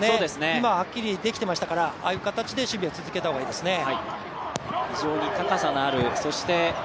今、はっきりできていましたからああいう形で守備は続けた方がいいですね。